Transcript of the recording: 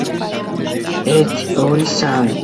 ხუთსართულიან კოშკზე საცხოვრებელი სახლებია მიშენებული.